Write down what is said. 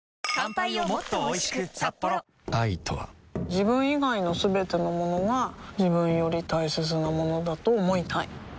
自分以外のすべてのものが自分より大切なものだと思いたい